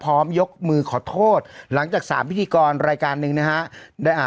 พร้อมยกมือขอโทษหลังจากสามพิธีกรรายการหนึ่งนะฮะได้อ่า